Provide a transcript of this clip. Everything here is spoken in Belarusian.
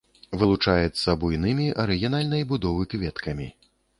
Вылучаецца буйнымі арыгінальнай будовы кветкамі.